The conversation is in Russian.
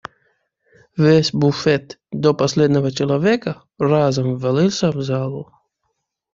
Весь буфет до последнего человека разом ввалился в залу.